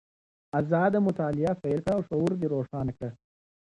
ازاده مطالعه پیل کړه او شعور دې روښانه کړه.